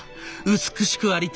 美しくありたい！